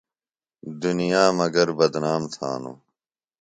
دُنیا مگر بدنام تھانوۡ۔